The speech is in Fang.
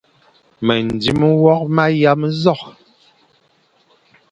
Mendzim nwokh ma yam nzokh.